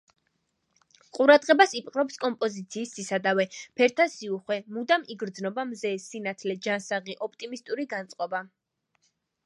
ყურადღებას იპყრობს კომპოზიციის სისადავე, ფერთა სიუხვე, მუდამ იგრძნობა მზე, სინათლე, ჯანსაღი ოპტიმისტური განწყობა.